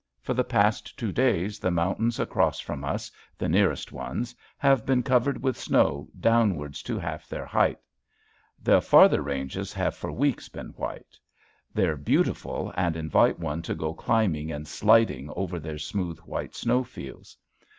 For the past two days the mountains across from us, the nearest ones, have been covered with snow downwards to half their height. The farther ranges have for weeks been white. They're beautiful and invite one to go climbing and sliding over their smooth white snowfields.